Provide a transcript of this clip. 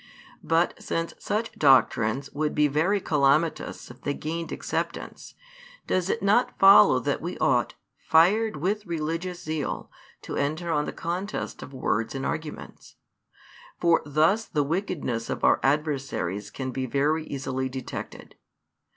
But since such doctrines would be very calamitous if they gained acceptance, does it not follow that we ought, fired with religious zeal, to enter on the contest of words and arguments? For thus the wickedness of our adversaries can be very easily detected.